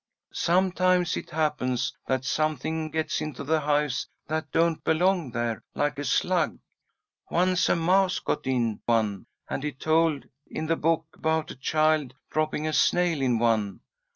"Sometimes it happens that something gets into the hives that don't belong there; like a slug. Once a mouse got in one, and it told in the book about a child dropping a snail in one.